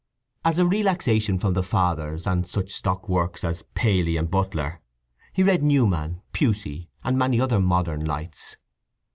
As a relaxation from the Fathers, and such stock works as Paley and Butler, he read Newman, Pusey, and many other modern lights.